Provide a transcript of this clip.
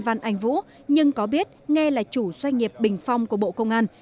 văn anh vũ nhưng có biết nghe là chủ doanh nghiệp bình phong của bộ công an